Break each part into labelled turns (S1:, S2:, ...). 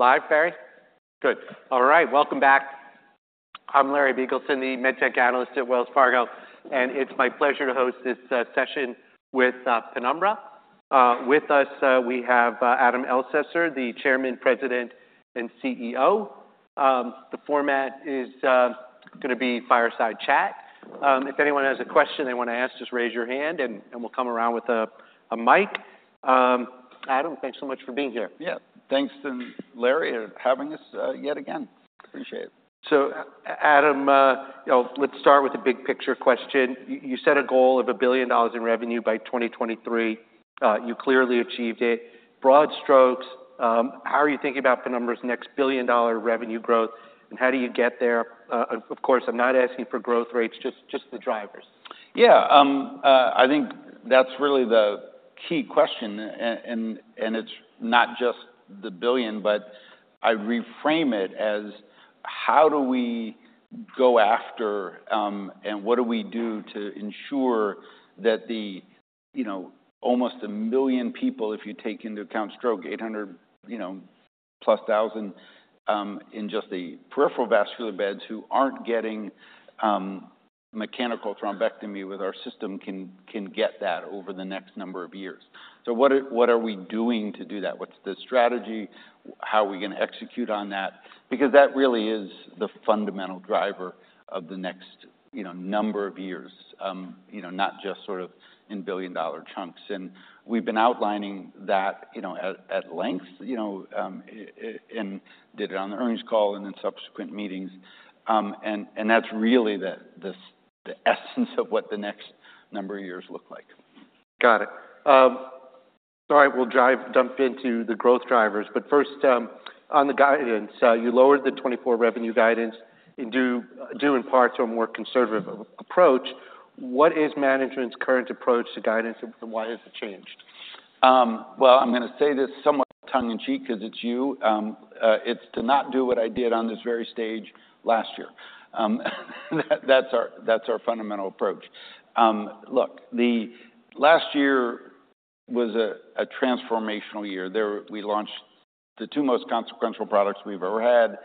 S1: Live, Barry? Good. All right, welcome back. I'm Larry Biegelsen, the med tech analyst at Wells Fargo, and it's my pleasure to host this session with Penumbra. With us we have Adam Elsesser, the Chairman, President, and CEO. The format is gonna be fireside chat. If anyone has a question they wanna ask, just raise your hand, and we'll come around with a mic. Adam, thanks so much for being here.
S2: Yeah, thanks to Larry for having us, yet again. Appreciate it.
S1: So Adam, you know, let's start with the big picture question. You set a goal of $1 billion in revenue by 2023. You clearly achieved it. Broad strokes, how are you thinking about the company's next billion-dollar revenue growth, and how do you get there? Of course, I'm not asking for growth rates, just the drivers.
S2: Yeah, I think that's really the key question. And it's not just the billion, but I reframe it as, how do we go after, and what do we do to ensure that the, you know, almost a million people, if you take into account stroke, eight hundred, you know, plus thousand, in just the peripheral vascular beds, who aren't getting mechanical thrombectomy with our system can get that over the next number of years? So what are we doing to do that? What's the strategy? How are we gonna execute on that? Because that really is the fundamental driver of the next, you know, number of years, you know, not just sort of in billion-dollar chunks. And we've been outlining that, you know, at length, you know, and I did it on the earnings call and in subsequent meetings. And that's really the essence of what the next number of years look like.
S1: Got it. All right, we'll jump into the growth drivers. But first, on the guidance, you lowered the 2024 revenue guidance, and due in part to a more conservative approach. What is management's current approach to guidance, and why has it changed?
S2: Well, I'm gonna say this somewhat tongue in cheek 'cause it's you. It's to not do what I did on this very stage last year. That's our fundamental approach. Look, the last year was a transformational year. There we launched the two most consequential products we've ever had.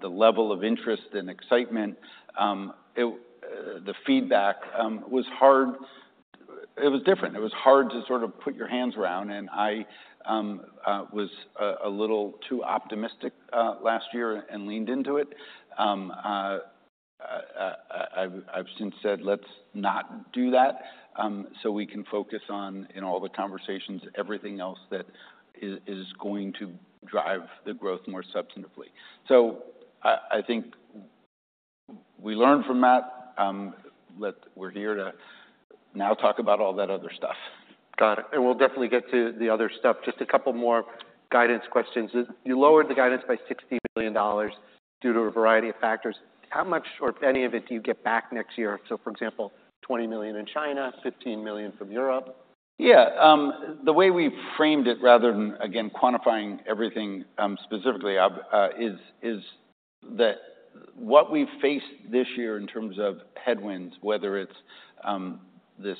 S2: The level of interest and excitement, the feedback, was hard. It was different. It was hard to sort of put your hands around, and I was a little too optimistic last year and leaned into it. I've since said, "Let's not do that," so we can focus on, in all the conversations, everything else that is going to drive the growth more substantively. So I think we learned from that, but we're here to now talk about all that other stuff.
S1: Got it, and we'll definitely get to the other stuff. Just a couple more guidance questions. You lowered the guidance by $60 million due to a variety of factors. How much or any of it do you get back next year? So for example, $20 million in China, $15 million from Europe.
S2: Yeah, the way we framed it, rather than again quantifying everything, specifically, is that what we've faced this year in terms of headwinds, whether it's this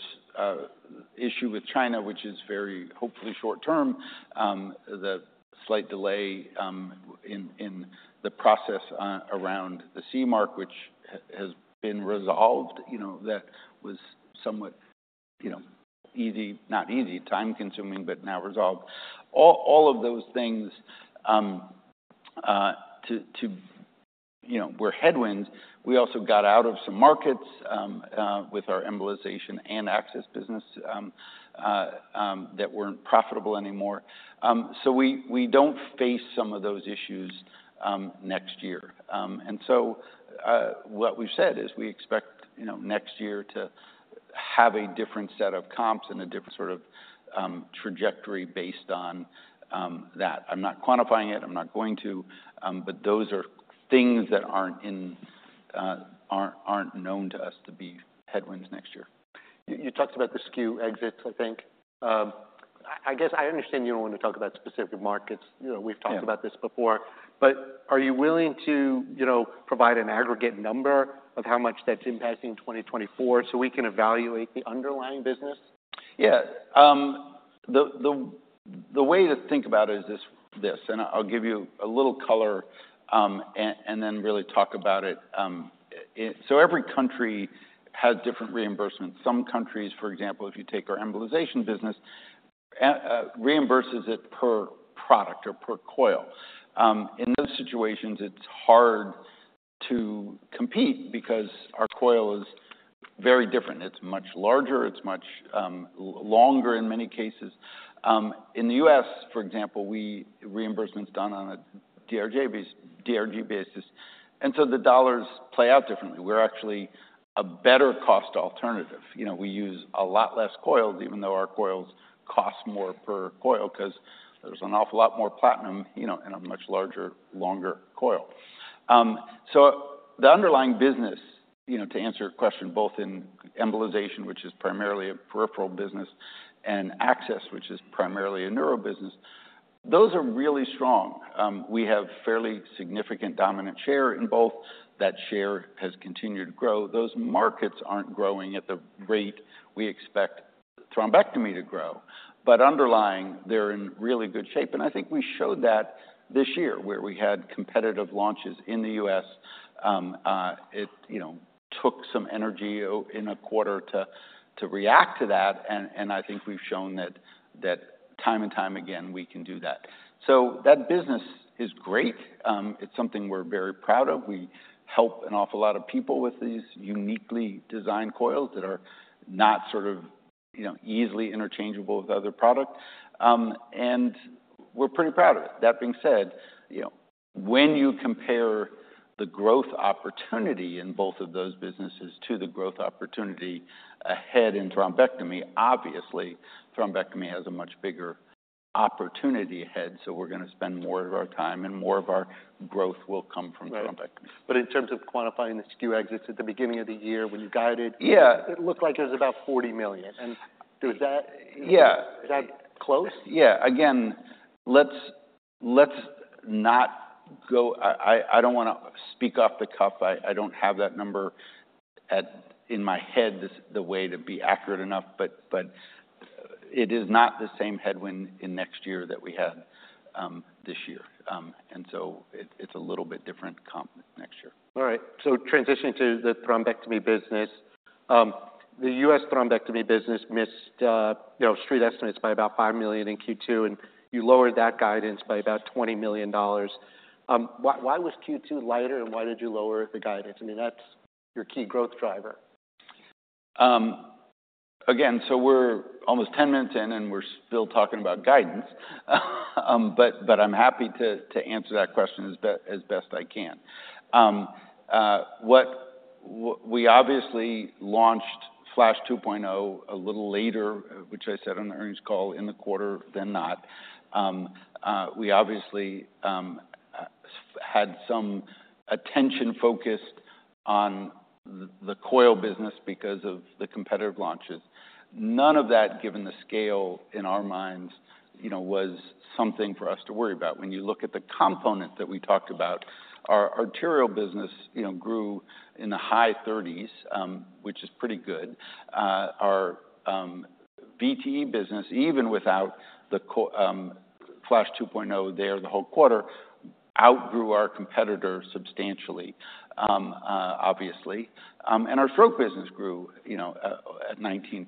S2: issue with China, which is very hopefully short term, the slight delay in the process around the CE Mark, which has been resolved, you know, that was somewhat, you know, easy, not easy, time-consuming, but now resolved. All of those things, you know, were headwinds. We also got out of some markets with our embolization and access business that weren't profitable anymore, so we don't face some of those issues next year. And so, what we've said is we expect, you know, next year to have a different set of comps and a different sort of trajectory based on that. I'm not quantifying it. I'm not going to, but those are things that aren't known to us to be headwinds next year.
S1: You talked about the SKU exits, I think. I guess I understand you don't want to talk about specific markets. You know-
S2: Yeah
S1: We've talked about this before. But are you willing to, you know, provide an aggregate number of how much that's impacting 2024, so we can evaluate the underlying business?
S2: Yeah. The way to think about it is this, and I'll give you a little color, and then really talk about it. So every country has different reimbursements. Some countries, for example, if you take our embolization business, reimburses it per product or per coil. In those situations, it's hard to compete because our coil is very different. It's much larger. It's much longer in many cases. In the U.S., for example, reimbursement's done on a DRG basis, and so the dollars play out differently. We're actually a better cost alternative. You know, we use a lot less coils, even though our coils cost more per coil, 'cause there's an awful lot more platinum, you know, in a much larger, longer coil. So the underlying business, you know, to answer your question, both in embolization, which is primarily a peripheral business, and access, which is primarily a neuro business, those are really strong. We have fairly significant dominant share in both. That share has continued to grow. Those markets aren't growing at the rate we expect thrombectomy to grow, but underlying, they're in really good shape. And I think we showed that this year, where we had competitive launches in the U.S., it, you know, took some energy in a quarter to react to that, and I think we've shown that time and time again, we can do that. So that business is great. It's something we're very proud of. We help an awful lot of people with these uniquely designed coils that are not sort of, you know, easily interchangeable with other product, and we're pretty proud of it. That being said, you know, when you compare the growth opportunity in both of those businesses to the growth opportunity ahead in thrombectomy, obviously, thrombectomy has a much bigger opportunity ahead, so we're gonna spend more of our time and more of our growth will come from thrombectomy.
S1: Right. But in terms of quantifying the SKU exits at the beginning of the year when you guided-
S2: Yeah.
S1: It looked like it was about $40 million. And does that-
S2: Yeah.
S1: Is that close?
S2: Yeah. Again, let's not go... I don't wanna speak off the cuff. I don't have that number in my head the way to be accurate enough, but it is not the same headwind in next year that we had this year. And so it, it's a little bit different comp next year.
S1: All right, so transitioning to the thrombectomy business. The U.S. thrombectomy business missed, you know, Street estimates by about $5 million in Q2, and you lowered that guidance by about $20 million. Why, why was Q2 lighter, and why did you lower the guidance? I mean, that's your key growth driver.
S2: Again, so we're almost ten minutes in, and we're still talking about guidance. But I'm happy to answer that question as best I can. We obviously launched Flash 2.0 a little later, which I said on the earnings call, in the quarter than not. We obviously had some attention focused on the coil business because of the competitive launches. None of that, given the scale in our minds, you know, was something for us to worry about. When you look at the component that we talked about, our arterial business, you know, grew in the high thirties, which is pretty good. Our VTE business, even without the Flash 2.0 there the whole quarter, outgrew our competitor substantially, obviously. And our stroke business grew, you know, at 19%.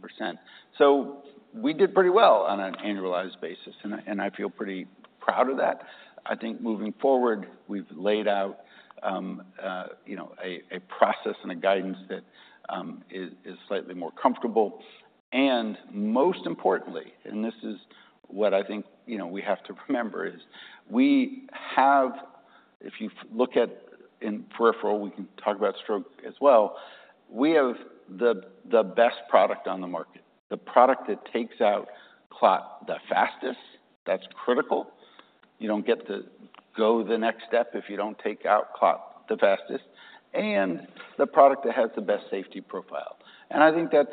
S2: So we did pretty well on an annualized basis, and I feel pretty proud of that. I think moving forward, we've laid out, you know, a process and a guidance that is slightly more comfortable. And most importantly, and this is what I think, you know, we have to remember, is we have. If you look at in peripheral, we can talk about stroke as well, we have the best product on the market, the product that takes out clot the fastest. That's critical. You don't get to go the next step if you don't take out clot the fastest, and the product that has the best safety profile. And I think that's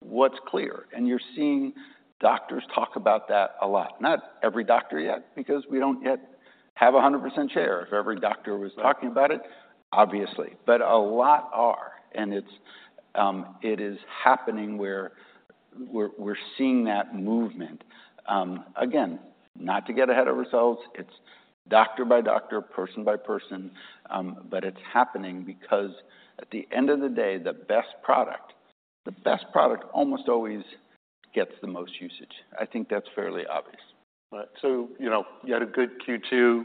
S2: what's clear, and you're seeing doctors talk about that a lot. Not every doctor yet, because we don't yet have 100% share. If every doctor was talking about it, obviously, but a lot are, and it is happening where we're seeing that movement. Again, not to get ahead of results, it's doctor by doctor, person by person, but it's happening because at the end of the day, the best product, the best product almost always gets the most usage. I think that's fairly obvious.
S1: Right. So, you know, you had a good Q2.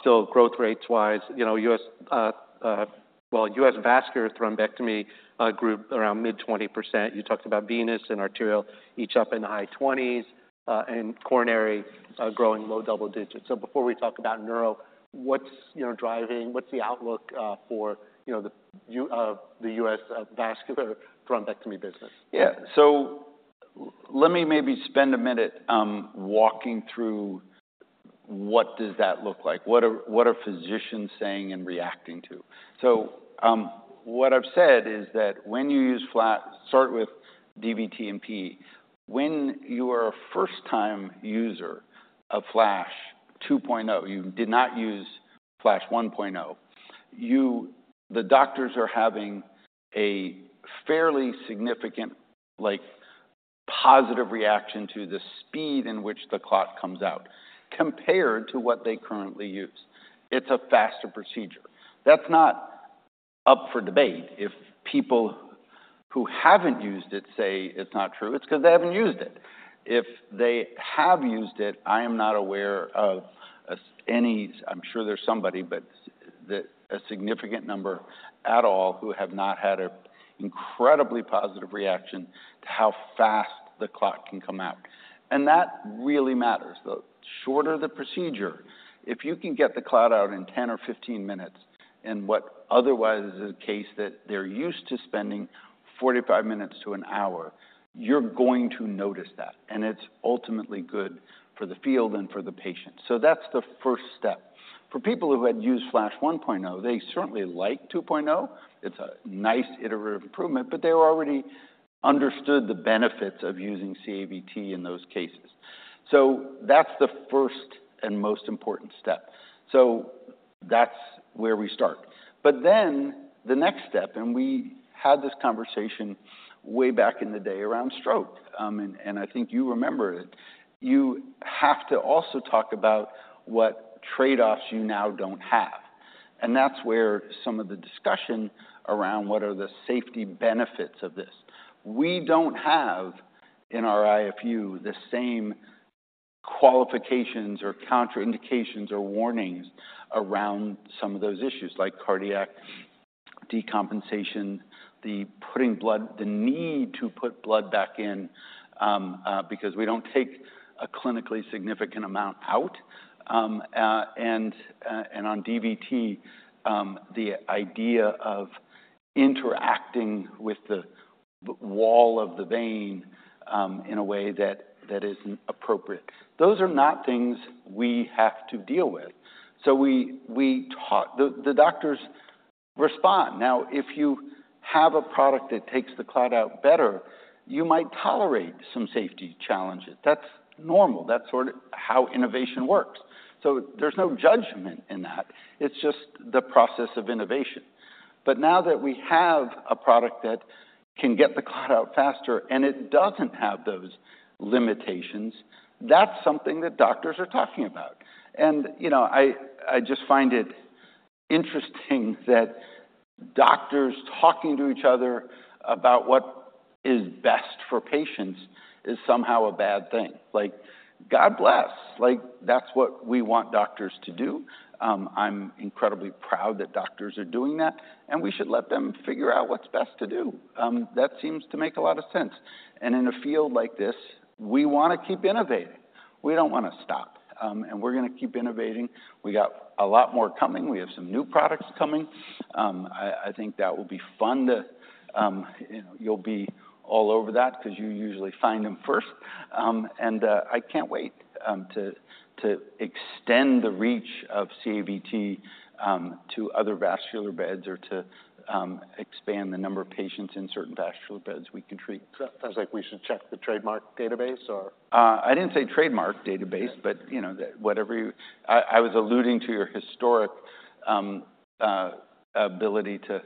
S1: Still, growth rates-wise, you know, U.S., well, U.S. Vascular Thrombectomy grew around mid-20%. You talked about venous and arterial, each up in the high 20s%, and coronary growing low double digits. So before we talk about neuro, what's, you know, driving, what's the outlook for, you know, the U.S. Vascular Thrombectomy business?
S2: Yeah. So let me maybe spend a minute walking through what does that look like? What are physicians saying and reacting to? So, what I've said is that when you use Flash, start with DVT and PE. When you are a first-time user of Flash 2.0, you did not use Flash 1.0, the doctors are having a fairly significant, like, positive reaction to the speed in which the clot comes out compared to what they currently use. It's a faster procedure. That's not up for debate. If people who haven't used it say it's not true, it's 'cause they haven't used it. If they have used it, I am not aware of any... I'm sure there's somebody, but a significant number at all, who have not had an incredibly positive reaction to how fast the clot can come out. That really matters. The shorter the procedure, if you can get the clot out in 10 or 15 minutes, in what otherwise is a case that they're used to spending 45 minutes to an hour, you're going to notice that, and it's ultimately good for the field and for the patient. So that's the first step. For people who had used Flash 1.0, they certainly like 2.0. It's a nice iterative improvement, but they already understood the benefits of using CAVT in those cases. So that's the first and most important step. So that's where we start. But then the next step, and we had this conversation way back in the day around stroke, and I think you remember it. You have to also talk about what trade-offs you now don't have, and that's where some of the discussion around what are the safety benefits of this. We don't have, in our IFU, the same qualifications or contraindications or warnings around some of those issues, like cardiac decompensation, the need to put blood back in, because we don't take a clinically significant amount out, and on DVT, the idea of interacting with the wall of the vein in a way that isn't appropriate. Those are not things we have to deal with. So we talk. The doctors respond. Now, if you have a product that takes the clot out better, you might tolerate some safety challenges. That's normal. That's sort of how innovation works. So there's no judgment in that. It's just the process of innovation. But now that we have a product that can get the clot out faster, and it doesn't have those limitations, that's something that doctors are talking about. And, you know, I just find it interesting that doctors talking to each other about what is best for patients is somehow a bad thing. Like, God bless! Like, that's what we want doctors to do. I'm incredibly proud that doctors are doing that, and we should let them figure out what's best to do. That seems to make a lot of sense. And in a field like this, we wanna keep innovating. We don't wanna stop, and we're gonna keep innovating. We got a lot more coming. We have some new products coming. I think that will be fun to... You know, you'll be all over that, because you usually find them first. And I can't wait to extend the reach of CAVT to other vascular beds or to expand the number of patients in certain vascular beds we could treat.
S1: Sounds like we should check the trademark database, or?
S2: I didn't say trademark database-
S1: Yeah.
S2: but, you know, I was alluding to your historic ability to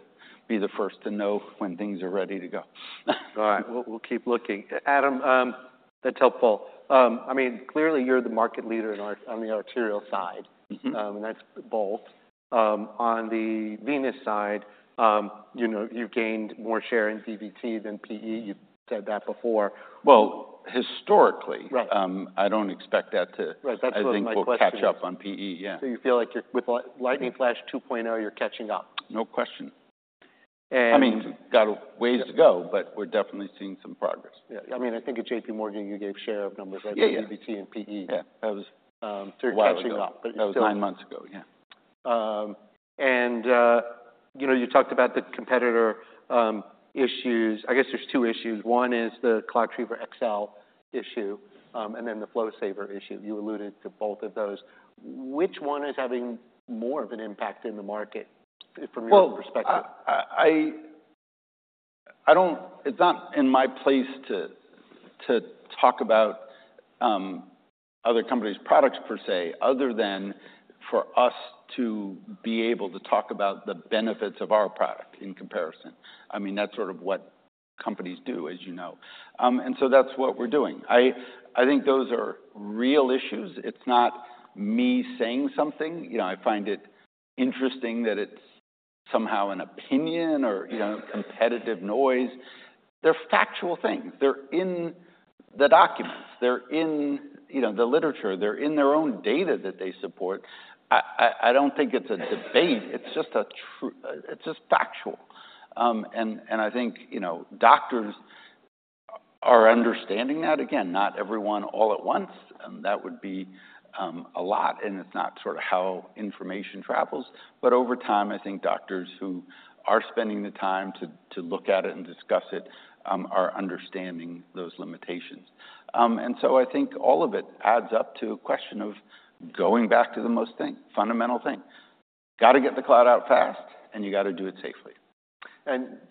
S2: be the first to know when things are ready to go.
S1: All right, we'll keep looking. Adam, that's helpful. I mean, clearly, you're the market leader in, on the arterial side.
S2: Mm-hmm.
S1: That's both. On the venous side, you know, you've gained more share in DVT than PE. You've said that before.
S2: Well, historically.
S1: Right.
S2: I don't expect that to-
S1: Right. That's what my question is.
S2: I think we'll catch up on PE, yeah.
S1: So you feel like you're, with Lightning Flash 2.0, you're catching up?
S2: No question.
S1: And-
S2: I mean, got a ways to go, but we're definitely seeing some progress.
S1: Yeah. I mean, I think at JPMorgan, you gave share of numbers-
S2: Yeah, yeah.
S1: DVT and PE.
S2: Yeah.
S1: That was.
S2: While ago...
S1: catching up. But you feel-
S2: That was nine months ago, yeah.
S1: You know, you talked about the competitor issues. I guess there's two issues. One is the ClotTriever XL issue, and then the FlowSaver issue. You alluded to both of those. Which one is having more of an impact in the market from your perspective?
S2: I don't. It's not in my place to talk about other companies' products per se, other than for us to be able to talk about the benefits of our product in comparison. I mean, that's sort of what companies do, as you know. So that's what we're doing. I think those are real issues. It's not me saying something. You know, I find it interesting that it's somehow an opinion or, you know, competitive noise. They're factual things. They're in the documents. They're in, you know, the literature. They're in their own data that they support. I don't think it's a debate. It's just factual. I think, you know, doctors are understanding that. Again, not everyone all at once, and that would be a lot, and it's not sort of how information travels. But over time, I think doctors who are spending the time to look at it and discuss it are understanding those limitations. And so I think all of it adds up to a question of going back to the most thing, fundamental thing: gotta get the clot out fast, and you gotta do it safely.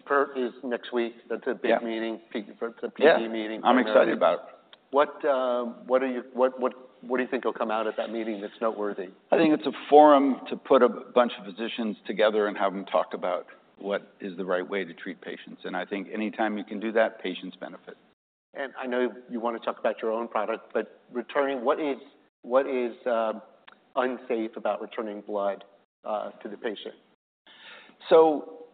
S1: PERT is next week.
S2: Yeah.
S1: That's a big meeting, PERT-
S2: Yeah
S1: It's a big meeting.
S2: I'm excited about it.
S1: What do you think will come out of that meeting that's noteworthy?
S2: I think it's a forum to put a bunch of physicians together and have them talk about what is the right way to treat patients, and I think anytime you can do that, patients benefit.
S1: I know you wanna talk about your own product, but returning, what is unsafe about returning blood to the patient?
S2: So,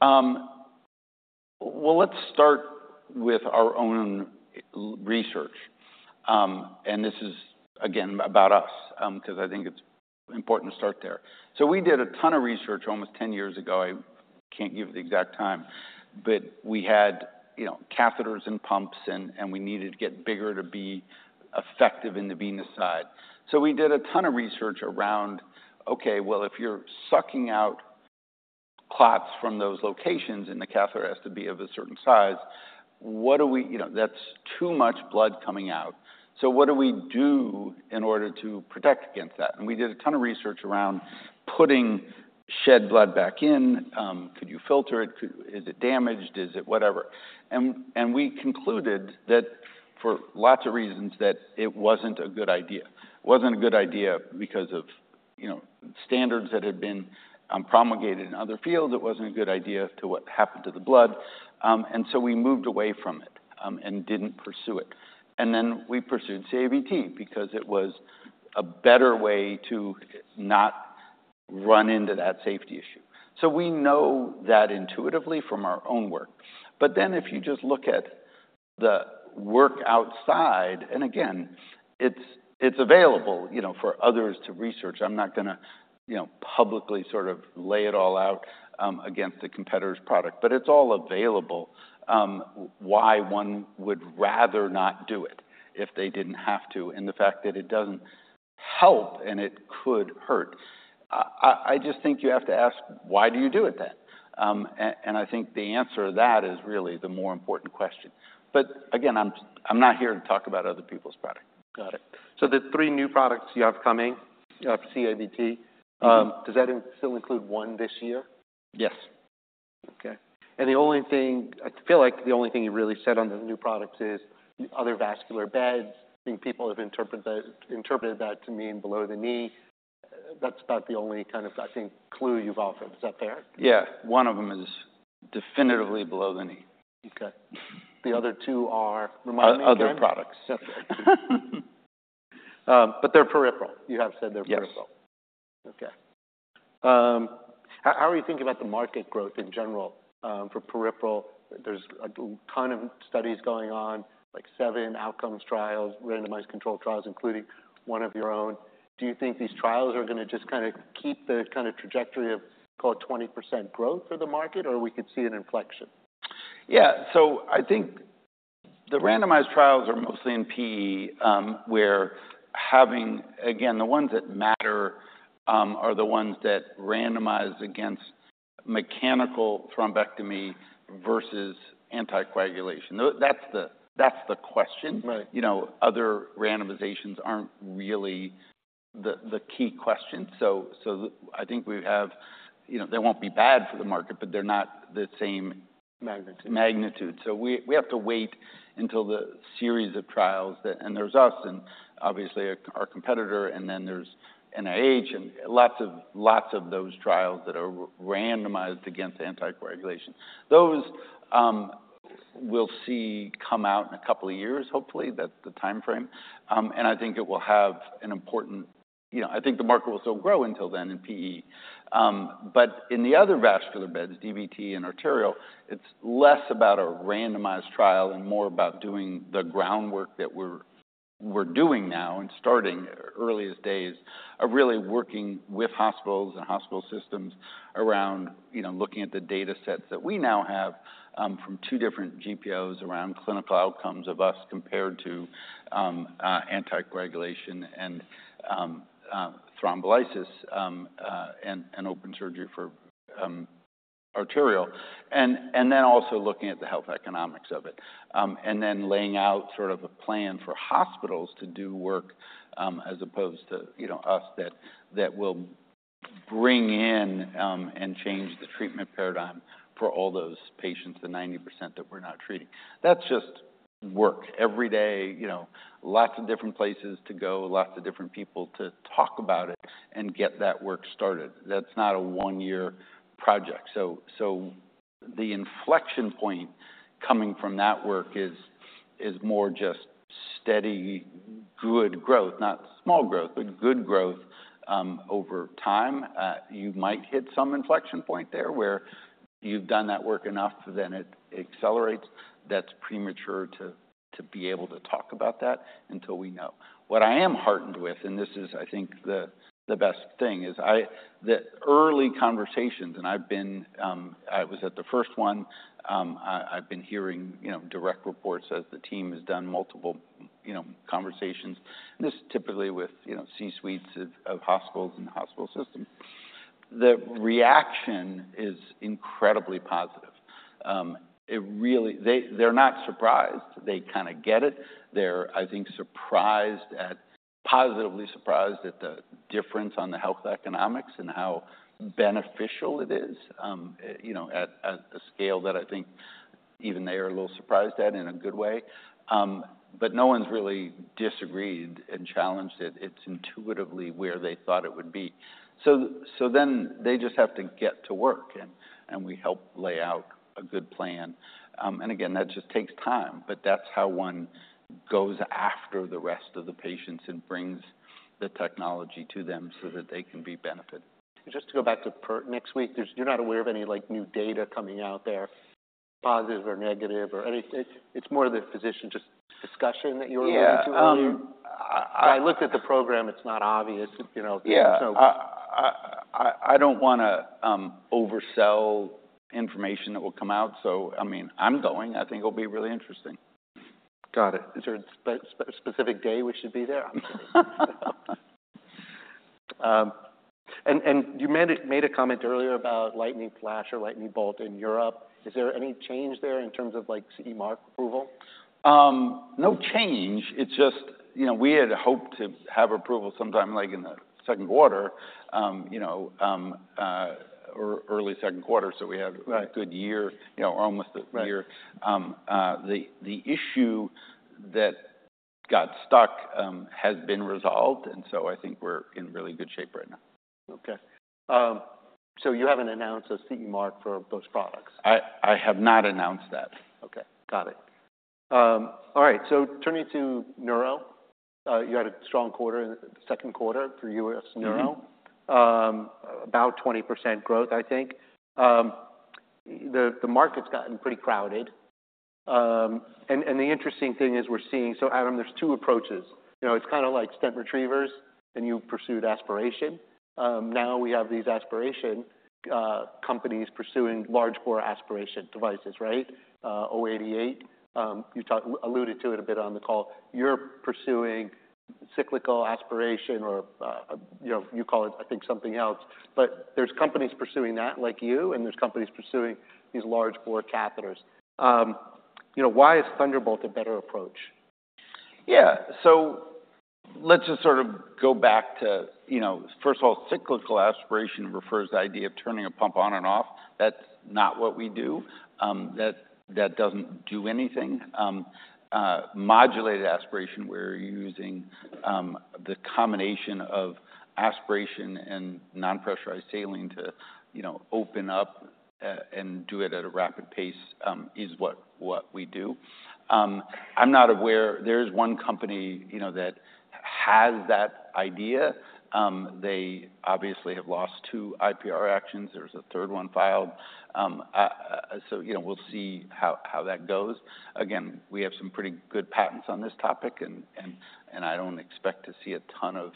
S2: well, let's start with our own research. And this is, again, about us, 'cause I think it's important to start there. So we did a ton of research almost ten years ago. I can't give the exact time, but we had, you know, catheters and pumps, and we needed to get bigger to be effective in the venous side. So we did a ton of research around, okay, well, if you're sucking out clots from those locations, and the catheter has to be of a certain size, what do we do? You know, that's too much blood coming out. So what do we do in order to protect against that? And we did a ton of research around putting shed blood back in? Could you filter it? Is it damaged? Is it whatever? We concluded that for lots of reasons, that it wasn't a good idea. It wasn't a good idea because of, you know, standards that had been promulgated in other fields. It wasn't a good idea to what happened to the blood. We moved away from it and didn't pursue it. We then pursued CAVT because it was a better way to not run into that safety issue. We know that intuitively from our own work. If you just look at the work outside, and again, it's available, you know, for others to research. I'm not going to, you know, publicly sort of lay it all out against the competitor's product. But it's all available, why one would rather not do it if they didn't have to, and the fact that it doesn't help and it could hurt. I just think you have to ask, why do you do it then, and I think the answer to that is really the more important question. But again, I'm not here to talk about other people's products.
S1: Got it. So the three new products you have coming, you have CAVT.
S2: Mm-hmm.
S1: Does that still include one this year?
S2: Yes.
S1: Okay, and the only thing, I feel like the only thing you really said on the new products is other vascular beds. I think people have interpreted that, interpreted that to mean below the knee. That's about the only kind of, I think, clue you've offered. Is that fair?
S2: Yeah, one of them is definitively below the knee.
S1: Okay. The other two are, remind me again?
S2: Other products.
S1: Okay, but they're peripheral. You have said they're peripheral.
S2: Yes.
S1: Okay. How are you thinking about the market growth in general for peripheral? There's a ton of studies going on, like seven outcomes trials, randomized controlled trials, including one of your own. Do you think these trials are going to just kind of keep the kind of trajectory of, call it, 20% growth for the market, or we could see an inflection?
S2: Yeah, so I think the randomized trials are mostly in PE, where having... Again, the ones that matter are the ones that randomize against mechanical thrombectomy versus anticoagulation. Though that's the question.
S1: Right.
S2: You know, other randomizations aren't really the key question. So, I think we have, you know, they won't be bad for the market, but they're not the same-
S1: Magnitude
S2: Magnitude. So we have to wait until the series of trials that and there's us and obviously our competitor, and then there's NIH and lots of those trials that are randomized against anticoagulation. Those we'll see come out in a couple of years, hopefully. That's the time frame. And I think it will have an important you know, I think the market will still grow until then in PE. But in the other vascular beds, DVT and arterial, it's less about a randomized trial and more about doing the groundwork that we're doing now, and starting earliest days of really working with hospitals and hospital systems around, you know, looking at the data sets that we now have from two different GPOs around clinical outcomes of us compared to anticoagulation and thrombolysis and open surgery for arterial, and then also looking at the health economics of it, and then laying out sort of a plan for hospitals to do work as opposed to, you know, us that will bring in and change the treatment paradigm for all those patients, the 90% that we're not treating. That's just work every day, you know, lots of different places to go, lots of different people to talk about it and get that work started. That's not a one-year project. So, the inflection point coming from that work is more just steady, good growth. Not small growth, but good growth. Over time, you might hit some inflection point there, where you've done that work enough, then it accelerates. That's premature to be able to talk about that until we know. What I am heartened with, and this is I think the best thing, is the early conversations, and I've been, I was at the first one. I've been hearing, you know, direct reports as the team has done multiple, you know, conversations. This is typically with, you know, C-suites of hospitals and hospital systems. The reaction is incredibly positive. It really... They, they're not surprised. They kind of get it. They're, I think, surprised—positively surprised at the difference on the health economics and how beneficial it is, you know, at a scale that I think even they are a little surprised at, in a good way. But no one's really disagreed and challenged it. It's intuitively where they thought it would be. So then they just have to get to work, and we help lay out a good plan. And again, that just takes time, but that's how one goes after the rest of the patients and brings the technology to them so that they can be benefited.
S1: Just to go back to PERT next week, you're not aware of any, like, new data coming out there, positive or negative or anything? It's more the physician just discussion that you were alluding to earlier?
S2: Yeah,
S1: I looked at the program. It's not obvious, you know?
S2: Yeah.
S1: So-
S2: I don't want to oversell information that will come out. So, I mean, I'm going. I think it'll be really interesting.
S1: Got it. Is there a specific day we should be there? You made a comment earlier about Lightning Flash or Lightning Bolt in Europe. Is there any change there in terms of, like, CE Mark approval?
S2: No change. It's just, you know, we had hoped to have approval sometime, like, in the second quarter, you know, early second quarter, so we had-
S1: Right
S2: A good year, you know, or almost a year.
S1: Right.
S2: The issue that got stuck has been resolved, and so I think we're in really good shape right now.
S1: Okay. So you haven't announced a CE Mark for those products?
S2: I have not announced that.
S1: Okay, got it. All right, so turning to neuro, you had a strong quarter, second quarter for U.S. Neuro.
S2: Mm-hmm.
S1: About 20% growth, I think. The market's gotten pretty crowded, and the interesting thing is we're seeing. So Adam, there's two approaches. You know, it's kind of like stent retrievers, and you pursued aspiration. Now we have these aspiration companies pursuing large core aspiration devices, right? 088, you alluded to it a bit on the call. You're pursuing cyclical aspiration or, you know, you call it, I think, something else. But there's companies pursuing that, like you, and there's companies pursuing these large bore catheters. You know, why is Thunderbolt a better approach?
S2: Yeah. So let's just sort of go back to, you know, first of all, cyclical aspiration refers to the idea of turning a pump on and off. That's not what we do. That doesn't do anything. Modulated aspiration, we're using the combination of aspiration and non-pressurized saline to, you know, open up and do it at a rapid pace, is what we do. I'm not aware... There's one company, you know, that has that idea. They obviously have lost two IPR actions. There's a third one filed. So, you know, we'll see how that goes. Again, we have some pretty good patents on this topic, and I don't expect to see a ton of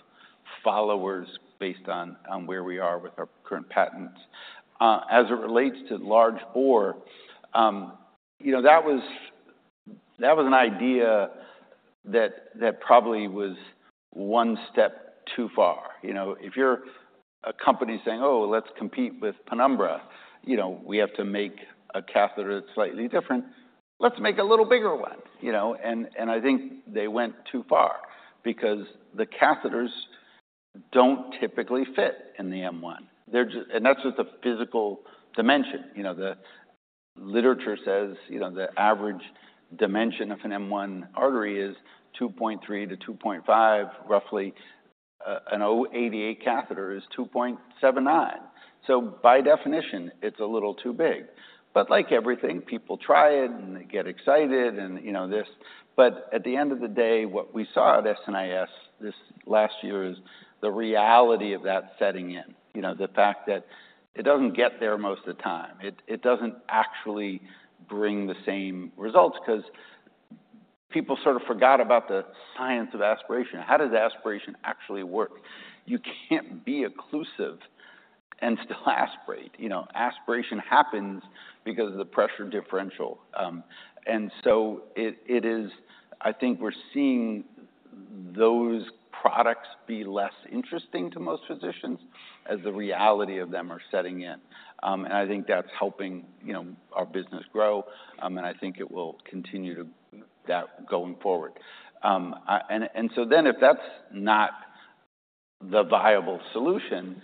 S2: followers based on where we are with our current patents. As it relates to large bore, you know, that was an idea that probably was one step too far. You know, if you're a company saying, "Oh, let's compete with Penumbra, you know, we have to make a catheter that's slightly different. Let's make a little bigger one!" You know? And I think they went too far because the catheters don't typically fit in the M1. They're, and that's just the physical dimension. You know, the literature says, you know, the average dimension of an M1 artery is 2.3-2.5, roughly. An 088 catheter is 2.79. So by definition, it's a little too big. But like everything, people try it, and they get excited and, you know, this. But at the end of the day, what we saw at SNIS this last year is the reality of that setting in. You know, the fact that it doesn't get there most of the time. It doesn't actually bring the same results, 'cause people sort of forgot about the science of aspiration. How does aspiration actually work? You can't be occlusive and still aspirate. You know, aspiration happens because of the pressure differential. And so it is- I think we're seeing those products be less interesting to most physicians as the reality of them are setting in. And I think that's helping, you know, our business grow, and I think it will continue to, that going forward. And so then if that's not the viable solution,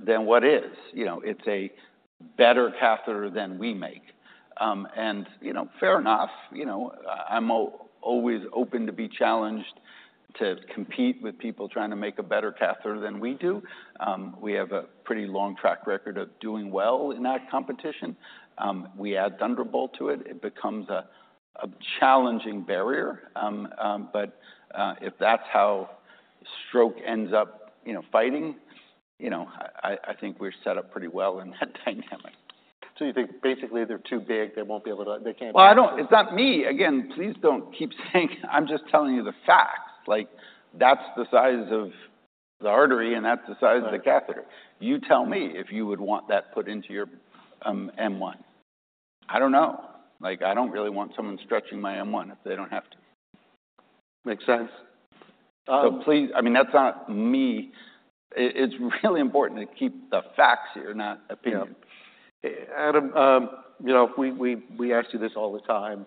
S2: then what is? You know, it's a better catheter than we make. And, you know, fair enough, you know, I'm always open to be challenged, to compete with people trying to make a better catheter than we do. We have a pretty long track record of doing well in that competition. We add Thunderbolt to it, it becomes a challenging barrier. But, if that's how stroke ends up, you know, fighting, you know, I think we're set up pretty well in that dynamic.
S1: So you think basically they're too big, they won't be able to, they can't-
S2: I don't... It's not me. Again, please don't keep saying I'm just telling you the facts. Like, that's the size of the artery, and that's the size of the catheter.
S1: Right.
S2: You tell me if you would want that put into your, M1. I don't know. Like, I don't really want someone stretching my M1 if they don't have to.
S1: Makes sense.
S2: So please, I mean, that's not me. It's really important to keep the facts here, not opinion.
S1: Yeah. Adam, you know, we ask you this all the time,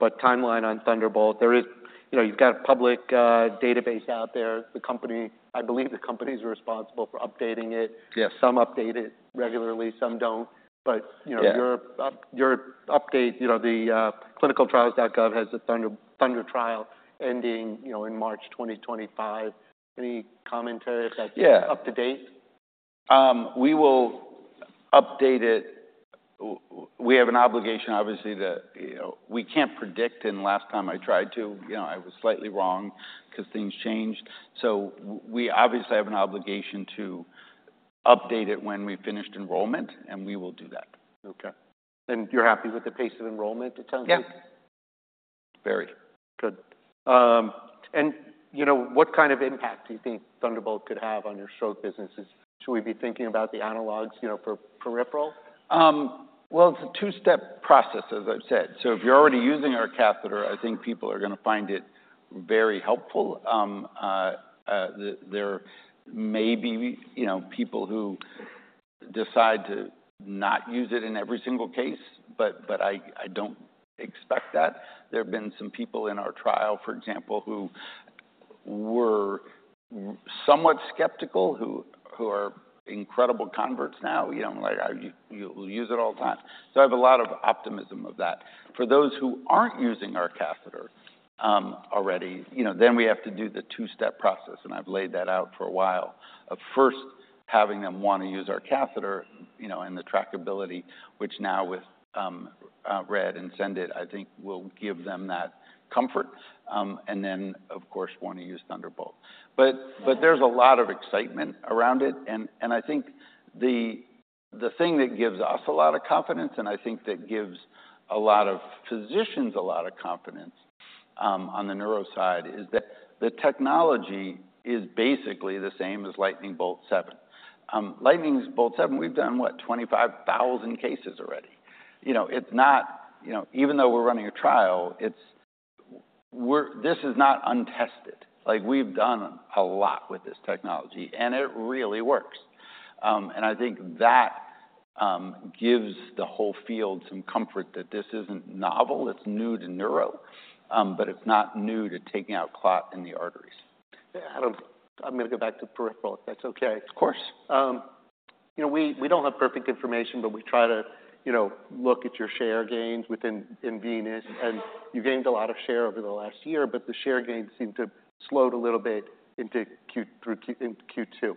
S1: but timeline on Thunderbolt. You know, you've got a public database out there. The company, I believe the company is responsible for updating it.
S2: Yes.
S1: Some update it regularly, some don't.
S2: Yeah.
S1: You know, your update, you know, the ClinicalTrials.gov has the THUNDER trial ending, you know, in March 2025. Any commentary if that's-
S2: Yeah
S1: Up to date?
S2: We will update it. We have an obligation, obviously, to... You know, we can't predict, and last time I tried to, you know, I was slightly wrong because things changed. So we obviously have an obligation to update it when we've finished enrollment, and we will do that.
S1: Okay, and you're happy with the pace of enrollment, it sounds like?
S2: Yeah. Very.
S1: Good, and you know, what kind of impact do you think Thunderbolt could have on your stroke businesses? Should we be thinking about the analogs, you know, for peripheral?
S2: Well, it's a two-step process, as I've said. So if you're already using our catheter, I think people are going to find it very helpful. There may be, you know, people who decide to not use it in every single case, but I don't expect that. There have been some people in our trial, for example, who were somewhat skeptical, who are incredible converts now, you know, like, "You use it all the time." So I have a lot of optimism of that. For those who aren't using our catheter already, you know, then we have to do the two-step process, and I've laid that out for a while, of first having them want to use our catheter, you know, and the trackability, which now with RED and SENDit, I think will give them that comfort, and then, of course, want to use Thunderbolt. But there's a lot of excitement around it, and I think the thing that gives us a lot of confidence, and I think that gives a lot of physicians a lot of confidence on the neuro side, is that the technology is basically the same as Lightning Bolt 7. Lightning Bolt 7, we've done, what? 25,000 cases already. You know, it's not... You know, even though we're running a trial, this is not untested.
S3: Like, we've done a lot with this technology, and it really works. And I think that gives the whole field some comfort that this isn't novel. It's new to neuro, but it's not new to taking out clot in the arteries.
S1: Yeah, Adam, I'm gonna go back to peripheral, if that's okay?
S2: Of course.
S1: You know, we don't have perfect information, but we try to, you know, look at your share gains in venous, and you gained a lot of share over the last year, but the share gains seem to slowed a little bit in Q2.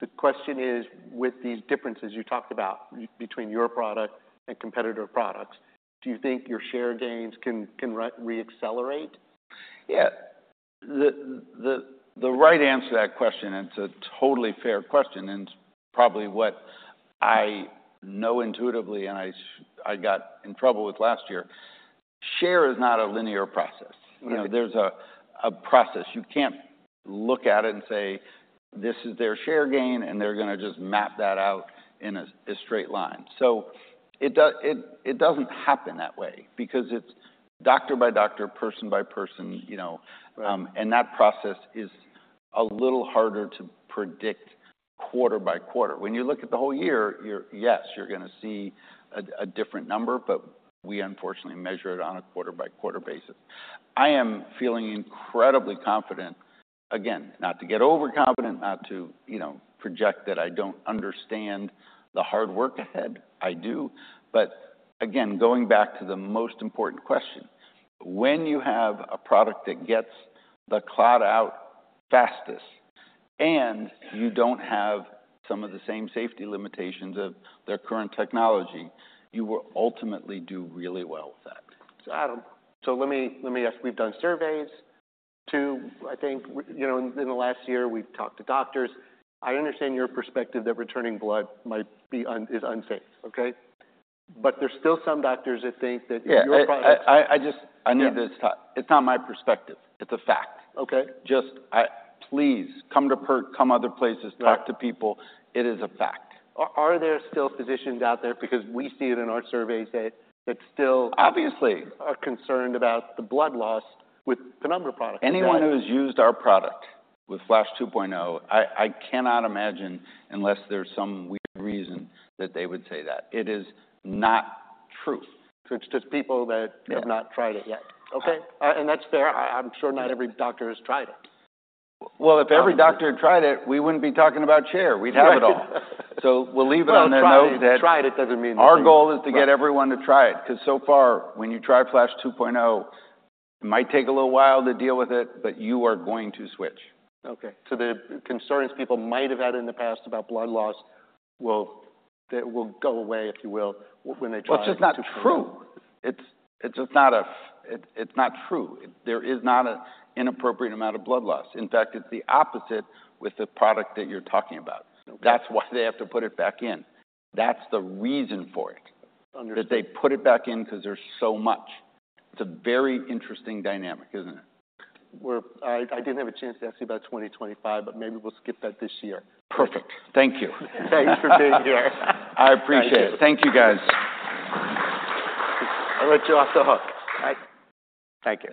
S1: The question is, with these differences you talked about between your product and competitor products, do you think your share gains can re-accelerate?
S2: Yeah. The right answer to that question, it's a totally fair question, and it's probably what I know intuitively, and I got in trouble with last year. Share is not a linear process.
S1: Right.
S2: You know, there's a process. You can't look at it and say, "This is their share gain, and they're gonna just map that out in a straight line." So it doesn't happen that way because it's doctor by doctor, person by person, you know?
S1: Right.
S2: And that process is a little harder to predict quarter by quarter. When you look at the whole year, you're gonna see a different number, but we unfortunately measure it on a quarter-by-quarter basis. I am feeling incredibly confident. Again, not to get overconfident, not to, you know, project that I don't understand the hard work ahead. I do. But again, going back to the most important question, when you have a product that gets the clot out fastest and you don't have some of the same safety limitations of their current technology, you will ultimately do really well with that.
S1: So Adam, let me ask. We've done surveys too, I think, you know, in the last year. We've talked to doctors. I understand your perspective that returning blood might be unsafe, okay? But there's still some doctors that think that your product-
S2: Yeah, I just... I need this to stop. It's not my perspective. It's a fact.
S1: Okay.
S2: Please come to PERT, come other places.
S1: Yeah.
S2: Talk to people. It is a fact.
S1: Are there still physicians out there, because we see it in our surveys, that still-
S2: Obviously...
S1: are concerned about the blood loss with the number of products?
S2: Anyone who's used our product with Flash 2.0, I cannot imagine, unless there's some weird reason, that they would say that. It is not true.
S1: So it's just people that-
S2: Yeah...
S1: have not tried it yet. Okay, and that's fair. I'm sure not every doctor has tried it.
S2: If every doctor tried it, we wouldn't be talking about share. We'd have it all. We'll leave it on that note that-
S1: Try it. It doesn't mean-
S2: Our goal is to get everyone to try it, 'cause so far, when you try Flash 2.0, it might take a little while to deal with it, but you are going to switch.
S1: Okay. So the concerns people might have had in the past about blood loss will... That will go away, if you will, when they try it-
S2: It's just not true. There is not an inappropriate amount of blood loss. In fact, it's the opposite with the product that you're talking about.
S1: Okay.
S2: That's why they have to put it back in. That's the reason for it.
S1: Understood...
S2: that they put it back in, because there's so much. It's a very interesting dynamic, isn't it?
S1: I didn't have a chance to ask you about twenty twenty-five, but maybe we'll skip that this year.
S2: Perfect. Thank you.
S1: Thanks for being here.
S2: I appreciate it.
S1: Thank you.
S2: Thank you, guys.
S1: I'll let you off the hook. Bye.
S2: Thank you.